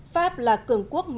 pháp là cường quốc nằm cốt